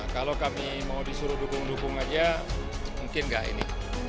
kalau kami mau disuruh dukung dukung aja mungkin nggak ini